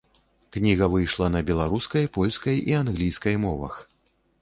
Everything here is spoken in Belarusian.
Кніга выйшла на беларускай, польскай і англійскай мовах.